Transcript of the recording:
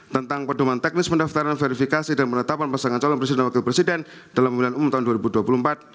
tentang pedoman teknis pendaftaran verifikasi dan penetapan pasangan calon presiden dan wakil presiden dalam pemilihan umum tahun dua ribu dua puluh empat